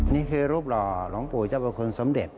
นี่คือรูปหล่อหลวงปู่เจ้าพระคุณสมเด็จ